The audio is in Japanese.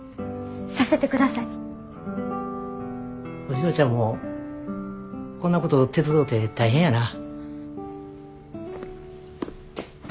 お嬢ちゃんもこんなこと手伝うて大変やなぁ。